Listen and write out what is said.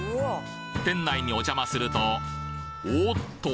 店内におじゃまするとおおっと！